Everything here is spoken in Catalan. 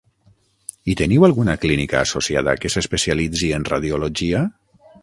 I teniu alguna clínica associada que s'especialitzi en radiologia?